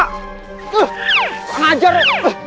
nggak ngeajar lo